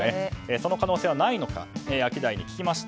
その可能性はないのかアキダイに聞きました。